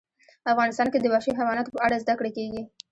افغانستان کې د وحشي حیواناتو په اړه زده کړه کېږي.